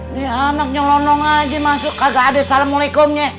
nih anak nyelonong aja masuk kagak ada salamualaikumnya